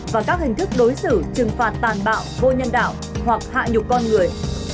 và các hình thức đối xử trừng phạt tàn bạo vô nhân đạo hoặc hạ nhục con người